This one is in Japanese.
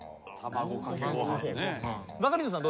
バカリズムさん。